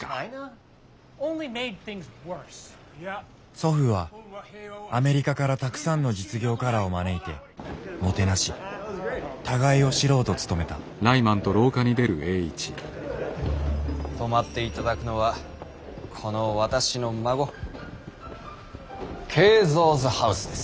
祖父はアメリカからたくさんの実業家らを招いてもてなし互いを知ろうと努めた泊まっていただくのはこの私の孫Ｋｅｉｚｏ’ｓｈｏｕｓｅです。